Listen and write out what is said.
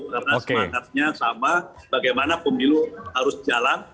karena semangatnya sama bagaimana pemilu harus jalan